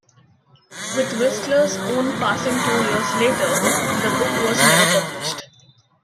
With Whistler's own passing two years later, the book was never published.